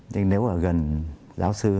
nhưng nếu ở gần giáo sư